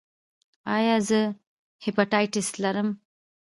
ایا زه هیپاټایټس لرم؟